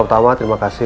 pertama terima kasih